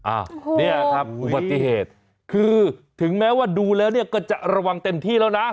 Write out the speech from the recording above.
เนี่ยครับอุบัติเหตุคือถึงแม้ว่าดูแล้วเนี่ยก็จะระวังเต็มที่แล้วนะ